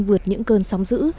vượt những cơn sóng dữ